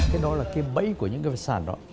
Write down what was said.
cái đó là cái bẫy của những cái sản đó